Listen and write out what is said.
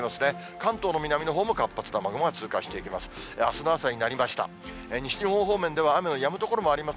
関東の南のほうも活発な雨雲が通過していきます。